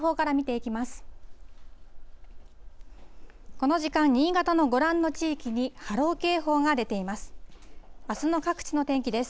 この時間、新潟のご覧の地域に波浪警報が出ています。